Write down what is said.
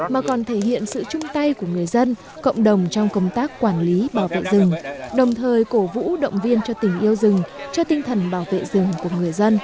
mà còn thể hiện sự chung tay của người dân cộng đồng trong công tác quản lý bảo vệ rừng đồng thời cổ vũ động viên cho tình yêu rừng cho tinh thần bảo vệ rừng của người dân